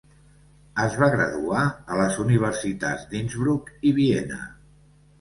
Es va graduar a les universitats d'Innsbruck i Viena.